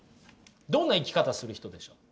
どんな生き方する人でしょう？